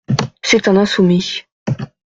C'est un insoumis.